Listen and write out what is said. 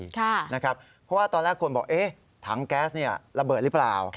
เพราะว่าตอนแรกคนบอกถังแก๊สระเบิดหรือเปล่า